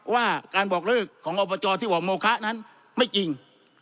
ว่าการบอกเลิกของอบจที่บอกโมคะนั้นไม่จริง